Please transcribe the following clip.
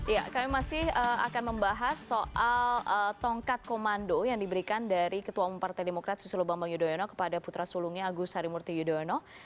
ya kami masih akan membahas soal tongkat komando yang diberikan dari ketua umum partai demokrat susilo bambang yudhoyono kepada putra sulungnya agus harimurti yudhoyono